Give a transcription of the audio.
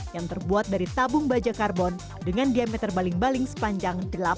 yang terbuat dari tabung baja karbon dengan diameter baling baling sepanjang delapan meter